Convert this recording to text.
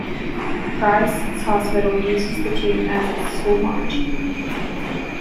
Christ's Hospital uses the tune as its school march.